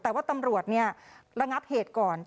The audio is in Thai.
แต่ว่าตำรวจเนี่ยระงับเหตุก่อน